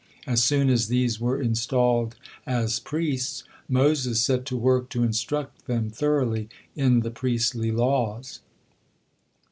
As soon as these were installed as priests, Moses set to work to instruct them thoroughly in the priestly laws.